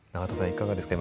いかがですか？